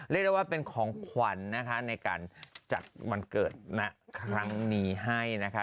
เรียกได้ว่าเป็นของขวัญนะคะในการจัดวันเกิดครั้งนี้ให้นะคะ